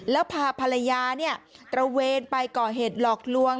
แล้วพาภรรยาตระเวนไปก่อเหตุหลอกลวง